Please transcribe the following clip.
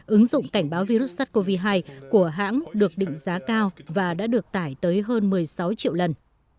ứng dụng cảnh báo virus sars cov hai của hãng được định giá cao và đã được tải tới hơn một mươi sáu triệu lần